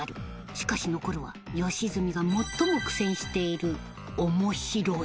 しかし残るは良純が最も苦戦している「おもしろい」